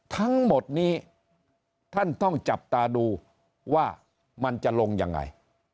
ทั้งหมดนี้ท่านต้องจับตาดูว่ามันจะลงยังไง